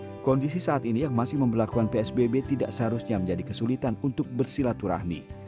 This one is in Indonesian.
karena kondisi saat ini yang masih memperlakukan psbb tidak seharusnya menjadi kesulitan untuk bersilaturahmi